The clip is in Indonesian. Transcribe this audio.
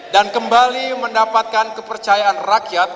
dan kembali mendapatkan kepercayaan rakyat